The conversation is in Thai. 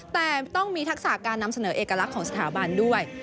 แต่ต้องมีทักษะการนำเสนอเอกลักษณ์ของสถาบันด้วย